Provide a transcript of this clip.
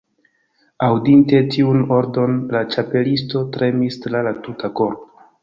Aŭdinte tiun ordonon la Ĉapelisto tremis tra la tuta korpo.